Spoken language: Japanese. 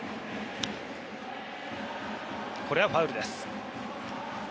これはファウルです。